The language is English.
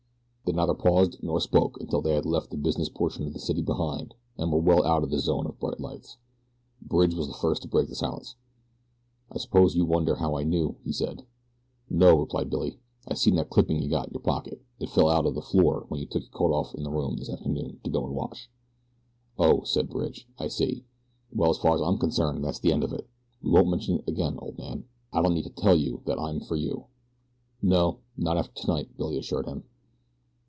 They neither paused nor spoke until they had left the business portion of the city behind and were well out of the zone of bright lights. Bridge was the first to break the silence. "I suppose you wonder how I knew," he said. "No," replied Billy. "I seen that clipping you got in your pocket it fell out on the floor when you took your coat off in the room this afternoon to go and wash." "Oh," said Bridge, "I see. Well, as far as I'm concerned that's the end of it we won't mention it again, old man. I don't need to tell you that I'm for you." "No, not after tonight," Billy assured him.